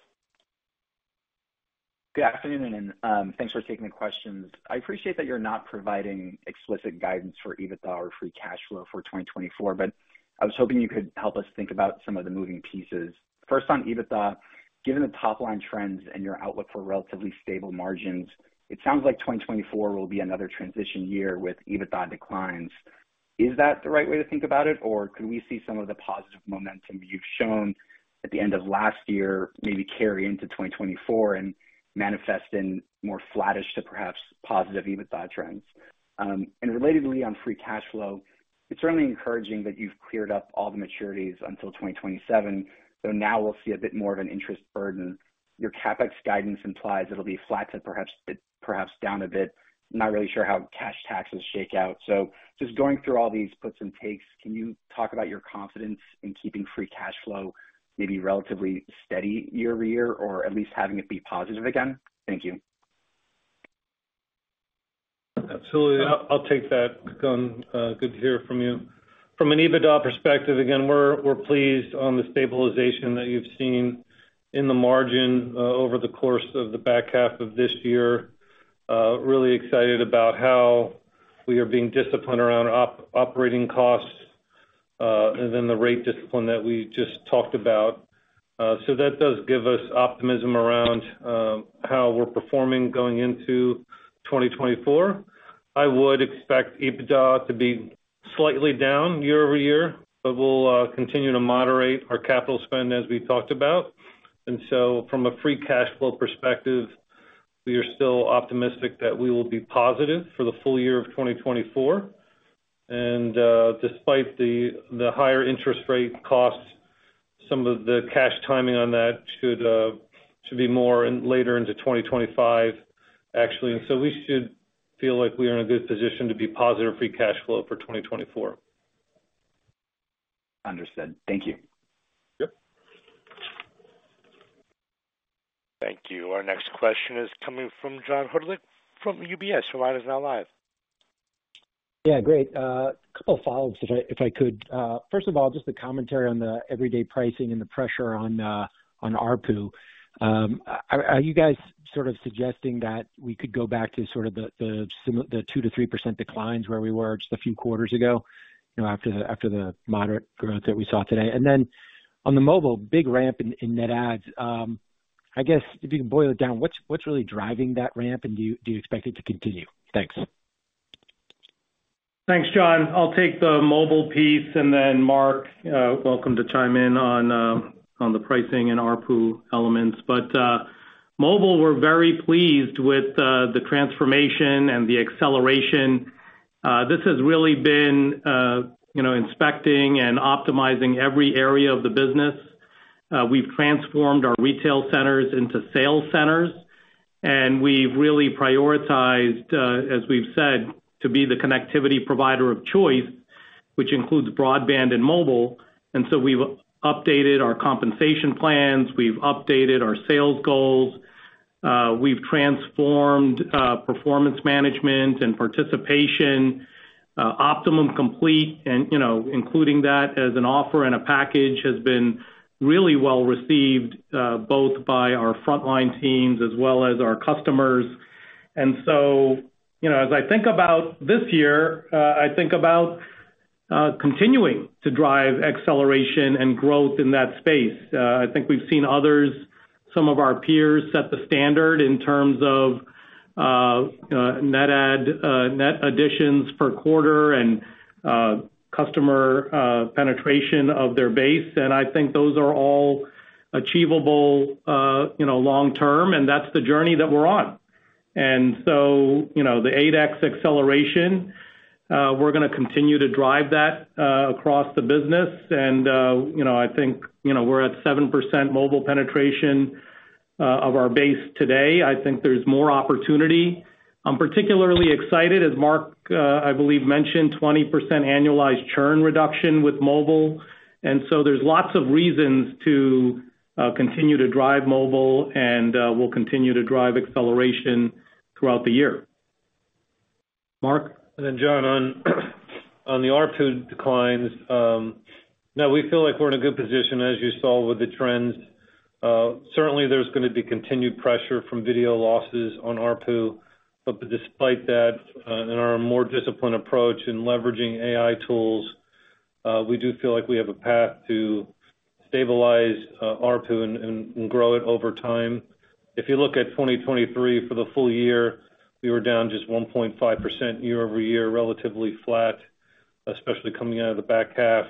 Good afternoon, and thanks for taking the questions. I appreciate that you're not providing explicit guidance for EBITDA or free cash flow for 2024, but I was hoping you could help us think about some of the moving pieces. First, on EBITDA, given the top-line trends and your outlook for relatively stable margins, it sounds like 2024 will be another transition year with EBITDA declines. Is that the right way to think about it, or could we see some of the positive momentum you've shown at the end of last year maybe carry into 2024 and manifest in more flattish to perhaps positive EBITDA trends? And relatedly, on free cash flow, it's certainly encouraging that you've cleared up all the maturities until 2027, so now we'll see a bit more of an interest burden. Your CapEx guidance implies it'll be flat to perhaps, perhaps down a bit. Not really sure how cash taxes shake out. So just going through all these puts and takes, can you talk about your confidence in keeping free cash flow maybe relatively steady year-over-year, or at least having it be positive again? Thank you. Absolutely. I'll take that, Kutgun. Good to hear from you. From an EBITDA perspective, again, we're pleased on the stabilization that you've seen in the margin, over the course of the back half of this year. Really excited about how we are being disciplined around operating costs, and then the rate discipline that we just talked about. So that does give us optimism around, how we're performing going into 2024. I would expect EBITDA to be slightly down year-over-year, but we'll continue to moderate our capital spend as we talked about. And so from a free cash flow perspective, we are still optimistic that we will be positive for the full year of 2024. And, despite the higher interest rate costs, some of the cash timing on that should be more in later into 2025, actually. So we should feel like we are in a good position to be positive free cash flow for 2024. Understood. Thank you. Yep. Thank you. Our next question is coming from John Hodulik from UBS. Your line is now live. Yeah, great. A couple of follow-ups, if I, if I could. First of all, just a commentary on the everyday pricing and the pressure on ARPU. Are you guys sort of suggesting that we could go back to sort of the 2%-3% declines where we were just a few quarters ago, you know, after the moderate growth that we saw today? And then on the mobile, big ramp in net adds. I guess, if you can boil it down, what's really driving that ramp? And do you expect it to continue? Thanks. Thanks, John. I'll take the mobile piece and then Marc, welcome to chime in on, on the pricing and ARPU elements. But, mobile, we're very pleased with, the transformation and the acceleration. This has really been, you know, inspecting and optimizing every area of the business. We've transformed our retail centers into sales centers, and we've really prioritized, as we've said, to be the connectivity provider of choice, which includes broadband and mobile. And so we've updated our compensation plans. We've updated our sales goals. We've transformed, performance management and participation, Optimum Complete, and, you know, including that as an offer and a package has been really well received, both by our frontline teams as well as our customers. So, you know, as I think about this year, I think about continuing to drive acceleration and growth in that space. I think we've seen others, some of our peers, set the standard in terms of net add, net additions per quarter and customer penetration of their base. And I think those are all achievable, you know, long term, and that's the journey that we're on. So, you know, the 8X acceleration, we're gonna continue to drive that across the business. You know, I think, you know, we're at 7% mobile penetration of our base today. I think there's more opportunity. I'm particularly excited, as Marc, I believe, mentioned 20% annualized churn reduction with mobile. And so there's lots of reasons to continue to drive mobile and we'll continue to drive acceleration throughout the year. Marc? And then, John, on the ARPU declines, now we feel like we're in a good position, as you saw with the trends. Certainly there's gonna be continued pressure from video losses on ARPU. But despite that, and our more disciplined approach in leveraging AI tools, we do feel like we have a path to stabilize ARPU and grow it over time. If you look at 2023 for the full year, we were down just 1.5% year-over-year, relatively flat, especially coming out of the back half.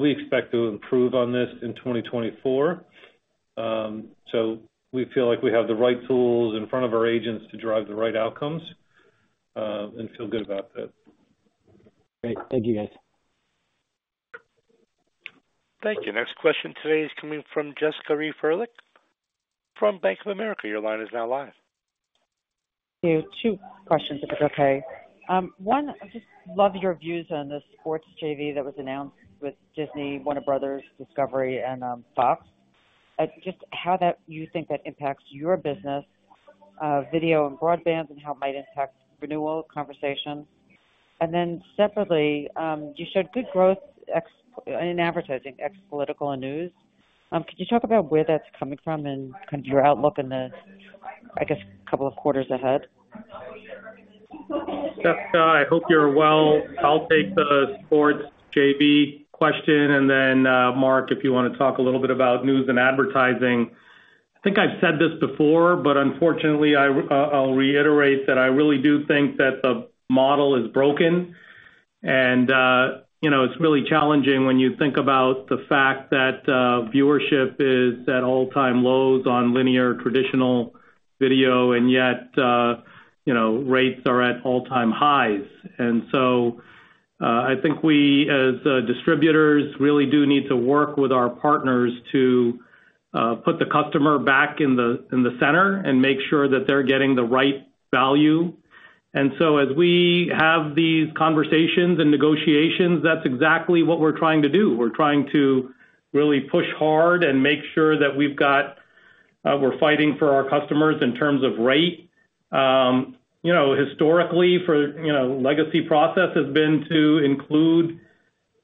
We expect to improve on this in 2024. So we feel like we have the right tools in front of our agents to drive the right outcomes, and feel good about that. Great. Thank you, guys. Thank you. Next question today is coming from Jessica Reif Ehrlich from Bank of America. Your line is now live. Thank you. Two questions, if it's okay. One, I just love your views on the sports JV that was announced with Disney, Warner Bros. Discovery, and Fox. Just how that you think that impacts your business, video and broadband, and how it might impact renewal conversations? And then separately, you showed good growth ex in advertising, ex political and news. Could you talk about where that's coming from and kind of your outlook in the, I guess, couple of quarters ahead? Jessica, I hope you're well. I'll take the sports JV question, and then, Marc, if you want to talk a little bit about news and advertising. I think I've said this before, but unfortunately, I, I'll reiterate that I really do think that the model is broken. And, you know, it's really challenging when you think about the fact that, viewership is at all-time lows on linear traditional video, and yet, you know, rates are at all-time highs. And so, I think we, as, distributors, really do need to work with our partners to, put the customer back in the, in the center and make sure that they're getting the right value. And so as we have these conversations and negotiations, that's exactly what we're trying to do. We're trying to really push hard and make sure that we've got, we're fighting for our customers in terms of rate. You know, historically, for, you know, legacy process has been to include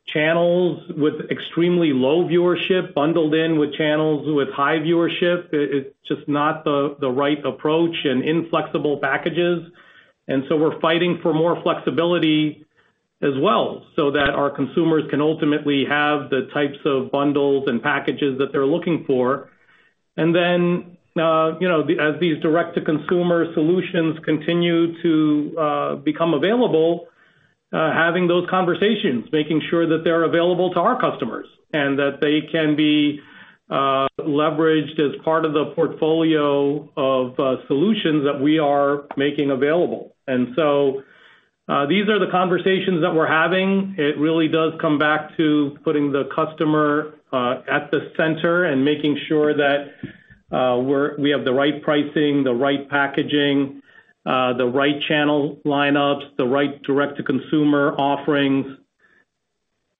channels with extremely low viewership, bundled in with channels with high viewership. It's just not the right approach and inflexible packages. And so we're fighting for more flexibility as well, so that our consumers can ultimately have the types of bundles and packages that they're looking for. And then, you know, as these direct-to-consumer solutions continue to become available, having those conversations, making sure that they're available to our customers, and that they can be leveraged as part of the portfolio of solutions that we are making available. And so, these are the conversations that we're having. It really does come back to putting the customer at the center and making sure that we have the right pricing, the right packaging, the right channel lineups, the right direct-to-consumer offerings.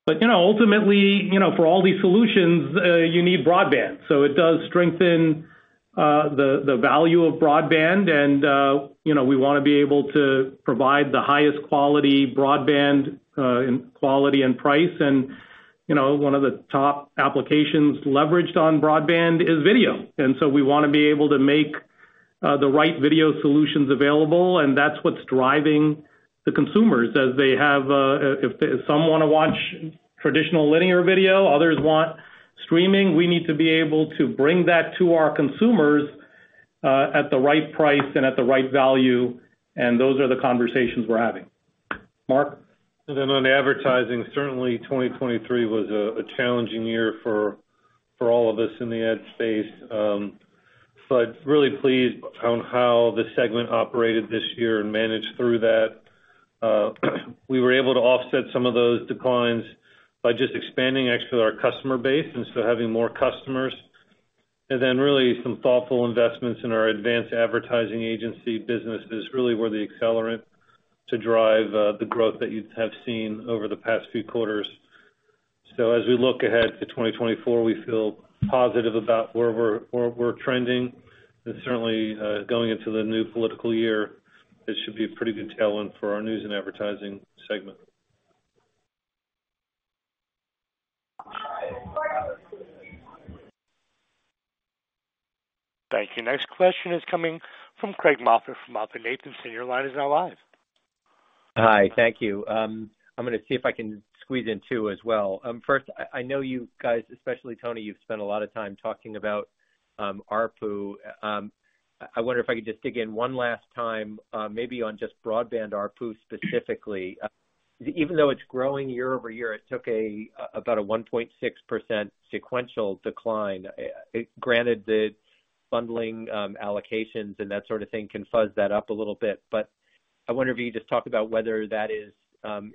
But, you know, ultimately, you know, for all these solutions, you need broadband. So it does strengthen the value of broadband, and, you know, we wanna be able to provide the highest quality broadband in quality and price. And, you know, one of the top applications leveraged on broadband is video. And so we wanna be able to make the right video solutions available, and that's what's driving the consumers as they have, if some wanna watch traditional linear video, others want streaming, we need to be able to bring that to our consumers at the right price and at the right value, and those are the conversations we're having. Marc? And then on advertising, certainly, 2023 was a challenging year for all of us in the ad space. But really pleased on how the segment operated this year and managed through that. We were able to offset some of those declines by just expanding actually our customer base and so having more customers. And then really some thoughtful investments in our advanced advertising agency business is really where the accelerant to drive the growth that you have seen over the past few quarters. So as we look ahead to 2024, we feel positive about where we're trending, and certainly going into the new political year, it should be a pretty good tailwind for our news and advertising segment. Thank you. Next question is coming from Craig Moffett from MoffettNathanson. Your line is now live. Hi, thank you. I'm gonna see if I can squeeze in two as well. First, I know you guys, especially Tony, you've spent a lot of time talking about ARPU. I wonder if I could just dig in one last time, maybe on just broadband ARPU specifically. Even though it's growing year-over-year, it took about a 1.6% sequential decline. Granted, the bundling allocations and that sort of thing can fuzz that up a little bit. But I wonder if you could just talk about whether that is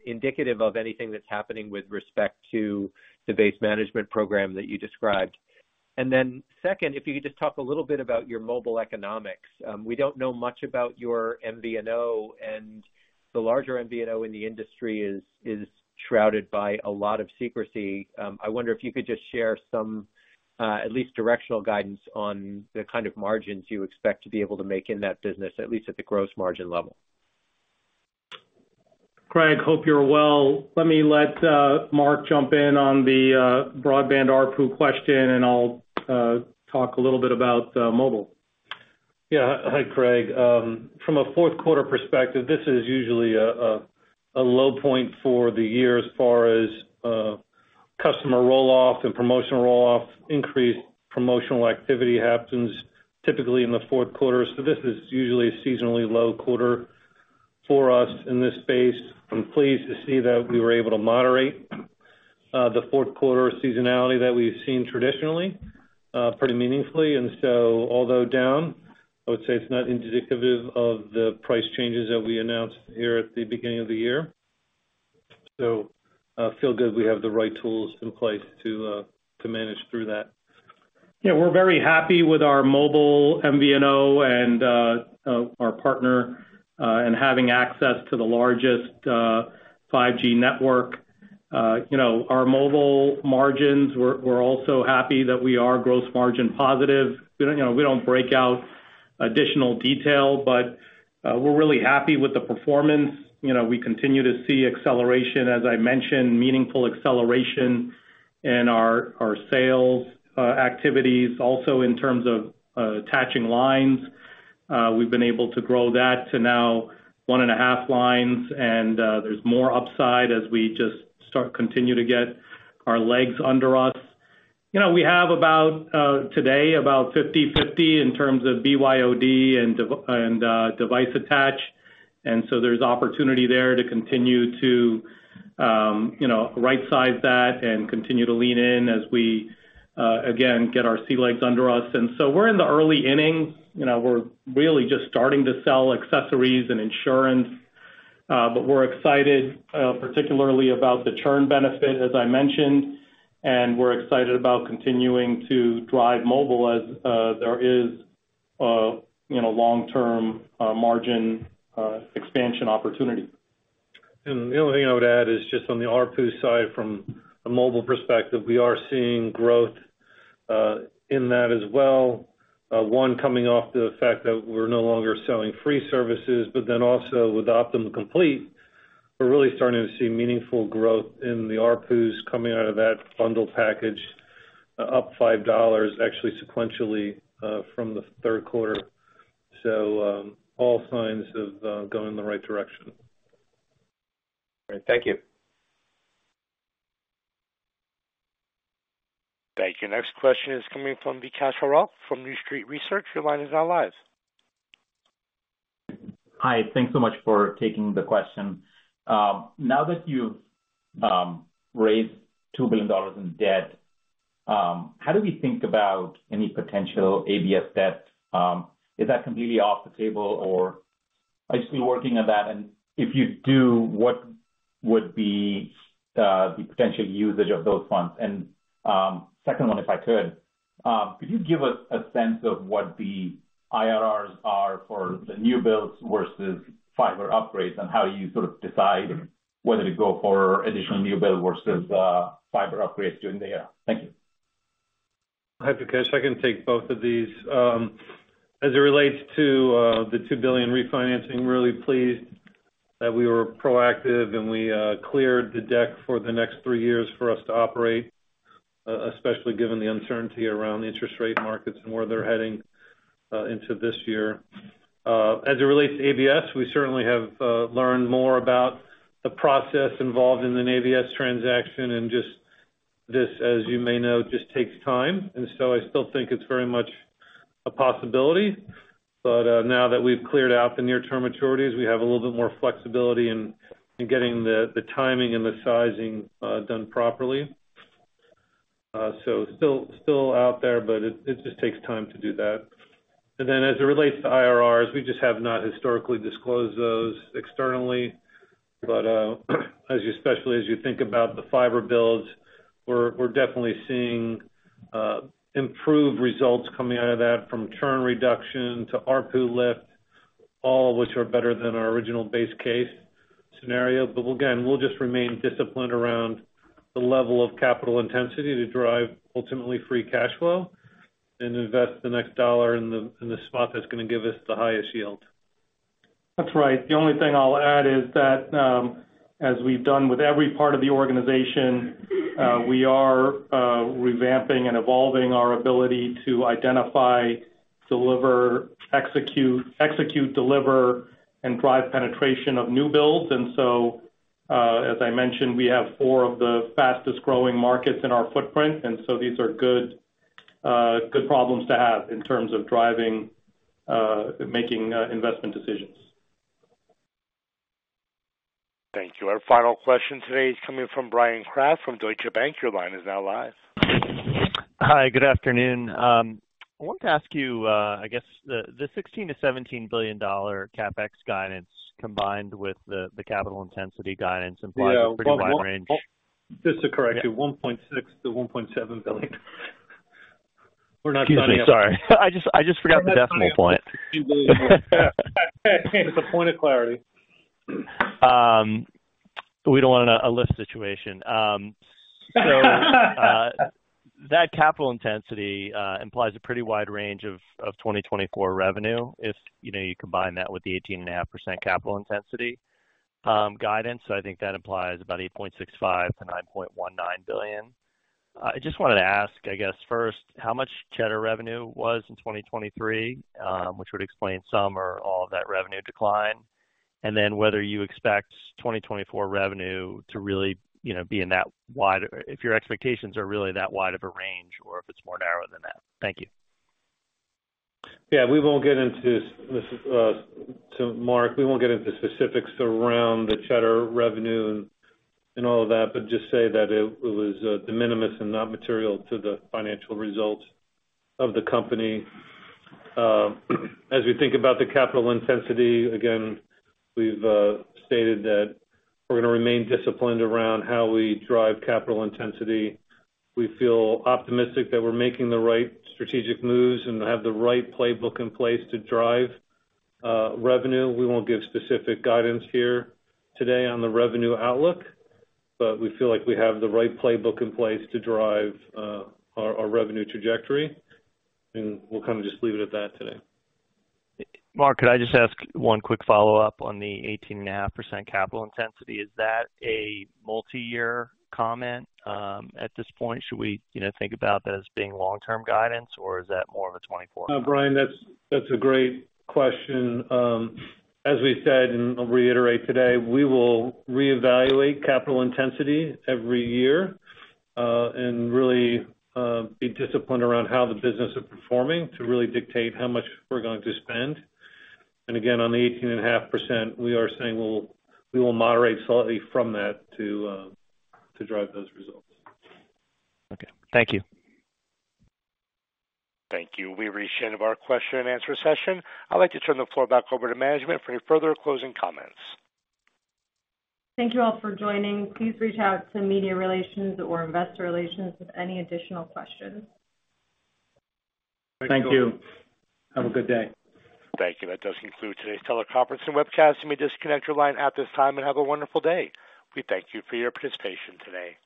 indicative of anything that's happening with respect to the base management program that you described. And then second, if you could just talk a little bit about your mobile economics. We don't know much about your MVNO, and the larger MVNO in the industry is shrouded by a lot of secrecy. I wonder if you could just share some at least directional guidance on the kind of margins you expect to be able to make in that business, at least at the gross margin level. Craig, hope you're well. Let me let Marc jump in on the broadband ARPU question, and I'll talk a little bit about mobile. Yeah. Hi, Craig. From a fourth quarter perspective, this is usually a low point for the year as far as customer roll-off and promotional roll-off. Increased promotional activity happens typically in the fourth quarter. So this is usually a seasonally low quarter for us in this space. I'm pleased to see that we were able to moderate the fourth quarter seasonality that we've seen traditionally pretty meaningfully. And so, although down, I would say it's not indicative of the price changes that we announced here at the beginning of the year. So, feel good we have the right tools in place to manage through that. Yeah, we're very happy with our mobile MVNO and our partner and having access to the largest 5G network. You know, our mobile margins, we're also happy that we are gross margin positive. You know, we don't break out additional detail, but we're really happy with the performance. You know, we continue to see acceleration, as I mentioned, meaningful acceleration in our sales activities. Also, in terms of attaching lines, we've been able to grow that to now 1.5 lines, and there's more upside as we just continue to get our legs under us. You know, we have about, today, about 50/50 in terms of BYOD and device attach, and so there's opportunity there to continue to, you know, rightsize that and continue to lean in as we, again, get our sea legs under us. And so we're in the early innings. You know, we're really just starting to sell accessories and insurance, but we're excited, particularly about the churn benefit, as I mentioned, and we're excited about continuing to drive mobile as there is, you know, long-term margin expansion opportunity. The only thing I would add is just on the ARPU side, from a mobile perspective, we are seeing growth in that as well. Coming off the fact that we're no longer selling free services, but then also with Optimum Complete, we're really starting to see meaningful growth in the ARPUs coming out of that bundle package, up $5, actually, sequentially from the third quarter. So, all signs of going in the right direction. Great. Thank you. Thank you. Next question is coming from Vikash Harlalka from New Street Research. Your line is now live. Hi, thanks so much for taking the question. Now that you've raised $2 billion in debt, how do we think about any potential ABS debt? Is that completely off the table, or are you still working on that? And if you do, what would be the potential usage of those funds? And, second one, if I could, could you give us a sense of what the IRRs are for the new builds versus fiber upgrades, and how you sort of decide whether to go for additional new build versus fiber upgrades during the year? Thank you. Hi, Vikash. I can take both of these. As it relates to the $2 billion refinancing, really pleased that we were proactive and we cleared the deck for the next three years for us to operate, especially given the uncertainty around the interest rate markets and where they're heading into this year. As it relates to ABS, we certainly have learned more about the process involved in an ABS transaction, and just this, as you may know, just takes time, and so I still think it's very much a possibility. But now that we've cleared out the near-term maturities, we have a little bit more flexibility in getting the timing and the sizing done properly. So still out there, but it just takes time to do that. And then, as it relates to IRRs, we just have not historically disclosed those externally. But, as you, especially as you think about the fiber builds, we're definitely seeing improved results coming out of that, from churn reduction to ARPU lift, all of which are better than our original base case scenario. But again, we'll just remain disciplined around the level of capital intensity to drive ultimately free cash flow and invest the next dollar in the spot that's gonna give us the highest yield. That's right. The only thing I'll add is that, as we've done with every part of the organization, we are revamping and evolving our ability to identify, deliver, execute, and drive penetration of new builds. And so, as I mentioned, we have four of the fastest growing markets in our footprint, and so these are good problems to have in terms of driving, making investment decisions. Thank you. Our final question today is coming from Brian Kraft from Deutsche Bank. Your line is now live. Hi, good afternoon. I wanted to ask you, I guess the $16 billion-$17 billion CapEx guidance, combined with the capital intensity guidance, implies a pretty wide range- Yeah, well, just to correct you, $1.6 billion-$1.7 billion. We're not done yet. Excuse me, sorry. I just forgot the decimal point. It's a point of clarity. We don't want a list situation. So, that capital intensity implies a pretty wide range of 2024 revenue. If, you know, you combine that with the 18.5% capital intensity guidance, I think that implies about $8.65 billion-$9.19 billion. I just wanted to ask, I guess, first, how much Cheddar revenue was in 2023, which would explain some or all of that revenue decline, and then whether you expect 2024 revenue to really, you know, be in that wide. If your expectations are really that wide of a range or if it's more narrower than that? Thank you. Yeah, we won't get into this, so Marc, we won't get into specifics around the Cheddar revenue and all of that, but just say that it was de minimis and not material to the financial results of the company. As we think about the capital intensity, again, we've stated that we're gonna remain disciplined around how we drive capital intensity. We feel optimistic that we're making the right strategic moves and have the right playbook in place to drive revenue. We won't give specific guidance here today on the revenue outlook, but we feel like we have the right playbook in place to drive our revenue trajectory, and we'll kind of just leave it at that today. Marc, could I just ask one quick follow-up on the 18.5 capital intensity? Is that a multiyear comment at this point? Should we, you know, think about that as being long-term guidance, or is that more of a 2024? Brian, that's a great question. As we said, and I'll reiterate today, we will reevaluate capital intensity every year, and really be disciplined around how the business is performing to really dictate how much we're going to spend. And again, on the 18.5%, we are saying we'll we will moderate slightly from that to drive those results. Okay. Thank you. Thank you. We've reached the end of our question and answer session. I'd like to turn the floor back over to management for any further closing comments. Thank you all for joining. Please reach out to Media Relations or Investor Relations with any additional questions. Thank you. Have a good day. Thank you. That does conclude today's teleconference and webcast. You may disconnect your line at this time and have a wonderful day. We thank you for your participation today.